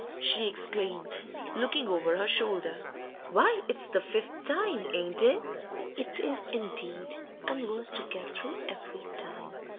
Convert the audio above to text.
she exclaimed, looking over her shoulder. 'Why, it's the fifth time, ain't it?' 'It is indeed, and worse to get through every time.